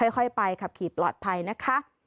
ค่อยไปขับขี่ปลอดภัยนะคะ